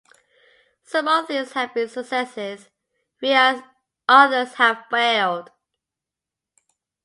Some of these have been successes, whereas others have failed.